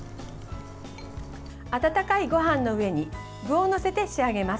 温かいごはんの上に具を載せて仕上げます。